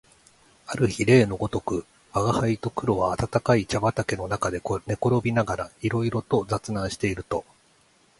ある日例のごとく吾輩と黒は暖かい茶畠の中で寝転びながらいろいろ雑談をしていると、